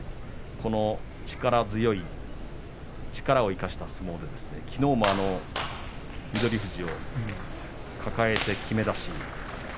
力強い、力を生かした相撲できのうも翠富士を抱えてきめ出し。